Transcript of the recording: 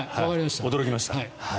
驚きました。